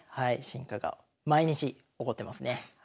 進化が毎日起こってますね。